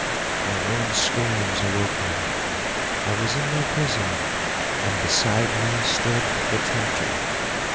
My own screams awoke me,—I was in my prison, and beside me stood the tempter.